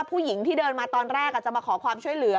ผู้หญิงที่เดินมาตอนแรกจะมาขอความช่วยเหลือ